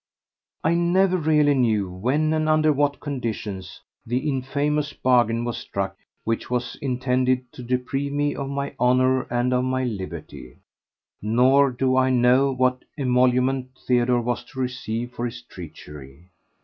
I never really knew when and under what conditions the infamous bargain was struck which was intended to deprive me of my honour and of my liberty, nor do I know what emolument Theodore was to receive for his treachery.